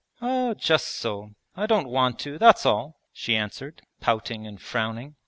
'Oh, just so. I don't want to, that's all!' she answered, pouting and frowning.